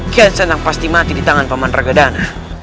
kian senang pasti mati di tangan paman ragadana